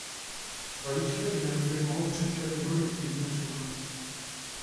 Vajíčka i nymfy mohou přečkat několik týdnu sucha.